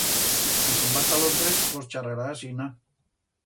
Si se'n va ta Londres, vos charrará asina.